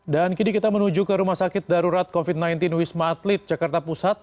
dan kini kita menuju ke rumah sakit darurat covid sembilan belas wisma atlet jakarta pusat